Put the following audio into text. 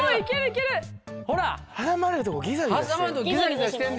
挟まれるとこギザギザしてる？